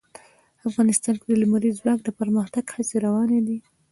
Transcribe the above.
افغانستان کې د لمریز ځواک د پرمختګ هڅې روانې دي.